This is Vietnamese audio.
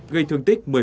gây thương tích một mươi